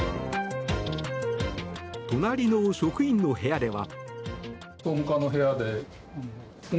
隣の職員の部屋では。